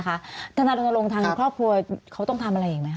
ค่ะนะคะถนาดนตรงทางครอบครัวเขาต้องทำอะไรอย่างไรครับ